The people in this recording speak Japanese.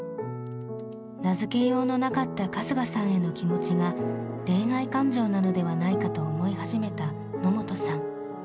名付けようのなかった春日さんへの気持ちが恋愛感情なのではないかと思い始めた野本さん。